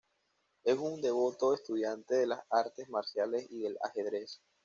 Es un devoto estudiante de las artes marciales y del ajedrez.